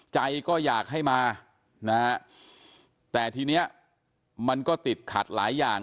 ใจก็อยากให้มานะฮะแต่ทีนี้มันก็ติดขัดหลายอย่าง